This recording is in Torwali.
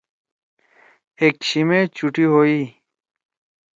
ایکشِمے چُھٹی ہوئی۔